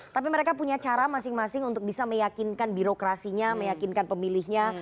tapi mereka punya cara masing masing untuk bisa meyakinkan birokrasinya meyakinkan pemilihnya